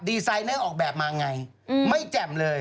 ดีไซน์และออกแบบมาไงไม่แจ่มเลย